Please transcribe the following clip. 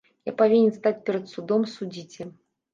Я павінен стаць перад судом, судзіце!